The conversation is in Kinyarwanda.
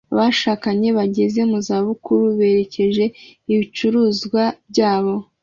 Abashakanye bageze mu zabukuru berekeje ibicuruzwa byabo